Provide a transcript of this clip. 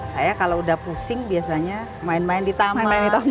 saya kalau udah pusing biasanya main main di taman